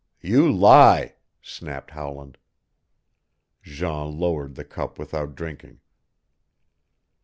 "You lie!" snapped Howland. Jean lowered the cup without drinking.